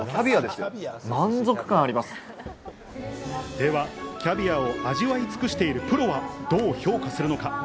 では、キャビアを味わい尽くしているプロはどう評価するのか？